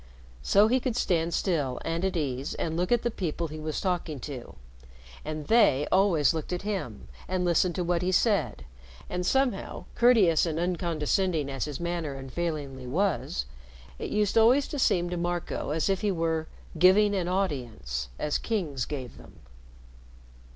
So he could stand still and at ease and look at the people he was talking to, and they always looked at him and listened to what he said, and somehow, courteous and uncondescending as his manner unfailingly was, it used always to seem to Marco as if he were "giving an audience" as kings gave them.